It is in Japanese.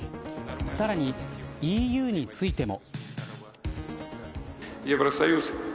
さらに、ＥＵについても。